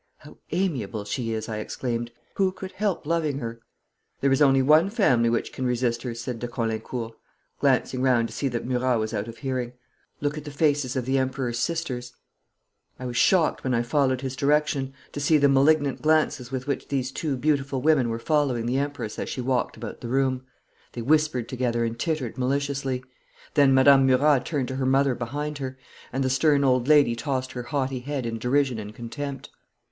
'How amiable she is!' I exclaimed. 'Who could help loving her?' 'There is only one family which can resist her,' said de Caulaincourt, glancing round to see that Murat was out of hearing. 'Look at the faces of the Emperor's sisters.' I was shocked when I followed his direction to see the malignant glances with which these two beautiful women were following the Empress as she walked about the room. They whispered together and tittered maliciously. Then Madame Murat turned to her mother behind her, and the stern old lady tossed her haughty head in derision and contempt.